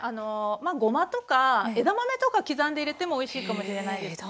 まあごまとか枝豆とか刻んで入れてもおいしいかもしれないですね。